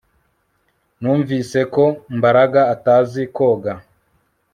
Numvise ko Mbaraga atazi koga